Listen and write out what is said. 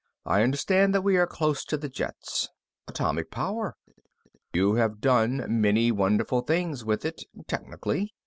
"I understand that we are close to the jets. Atomic power. You have done many wonderful things with it technically.